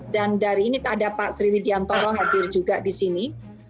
dan dari ini ada pak sri widiantoro hadir juga di sini